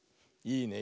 いいね。